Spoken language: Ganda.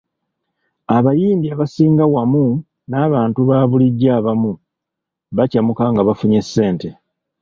Abayimbi abasinga wamu n’abantu ba bulijjo abamu bakyamuka nga bafunye ssente.